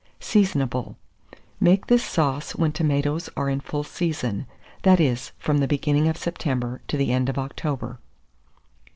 Seasonable. Make this sauce when tomatoes are in full season, that is, from the beginning of September to the end of October.